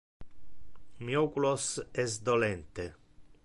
Mi oculos es dolente.